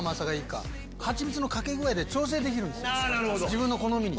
自分の好みに！